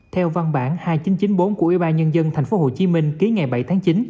theo văn bản hai nghìn chín trăm chín mươi bốn của ủy ban nhân dân thành phố hồ chí minh ký ngày bảy tháng chín